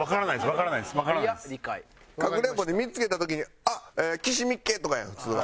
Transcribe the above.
かくれんぼで見付けた時に「あっ！岸見っけ！」とかやん普通は。